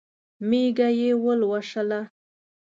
مېږه یې ولوسله.